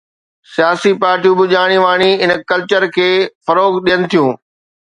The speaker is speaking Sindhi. سياسي پارٽيون به ڄاڻي واڻي ان ڪلچر کي فروغ ڏين ٿيون.